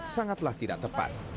sangatlah tidak tepat